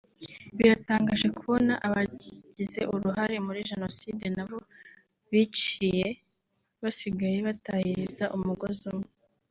biratangaje kubona abagize uruhare muri Jenoside n’abo biciye basigaye batahiriza umugozi umwe